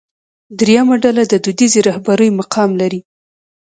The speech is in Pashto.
درېیمه ډله د دودیزې رهبرۍ مقام لري.